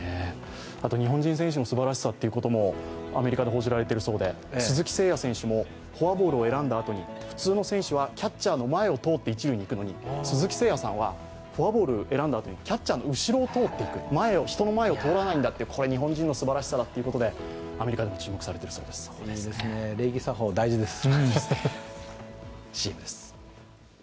あと日本人選手のすばらしさということもアメリカで報じられているそうで、鈴木誠也選手もフォアボールを選んだあとに普通の選手はキャッチャーの前を通って一塁に行くのに鈴木誠也さんはフォアボールを選んだあとにキャッチャーの後ろを通っていく、人の前を通らないんだと、これは日本人のすばらしさということでアメリカでも注目されているそうです。